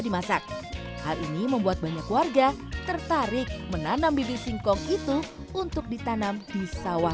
dimasak hal ini membuat banyak warga tertarik menanam bibi singkong itu untuk ditanam di sawah